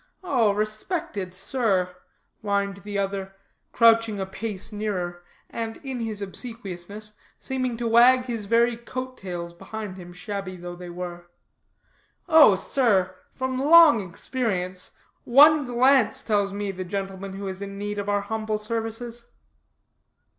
"Oh, respected sir," whined the other, crouching a pace nearer, and, in his obsequiousness, seeming to wag his very coat tails behind him, shabby though they were, "oh, sir, from long experience, one glance tells me the gentleman who is in need of our humble services."